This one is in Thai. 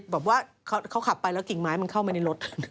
แบบว่าเขาขับไปแล้วกิ่งไม้มันเข้ามาในรถ